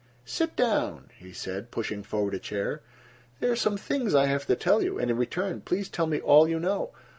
"Sit down," he said, pushing forward a chair. "There are some things I have to tell you, and, in return, please tell me all you know.